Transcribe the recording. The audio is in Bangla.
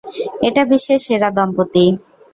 এটা বিশ্বের সেরা দম্পতি।